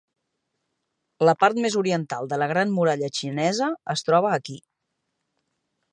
La part més oriental de la Gran Muralla xinesa es troba aquí.